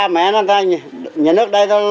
ở đó yên tâm đi không sao đâu